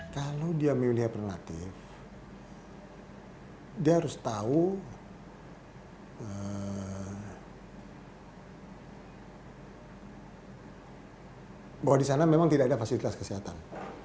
kalau dia memilih alternatif dia harus tahu bahwa di sana memang tidak ada fasilitas kesehatan